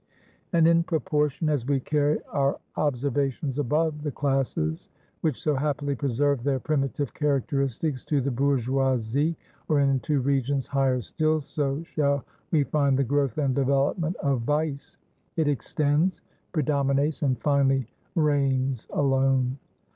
And in proportion as we carry our observations above the classes which so happily preserve their primitive characteristics, to the bourgeoisie, or into regions higher still, so shall we find the growth and development of vice; it extends, predominates, and finally reigns alone.